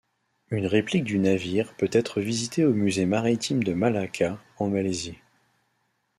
Une réplique du navire peut être visitée au Musée Maritime de Malacca, en Malaisie.